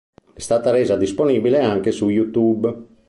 È stata resa disponibile anche su YouTube.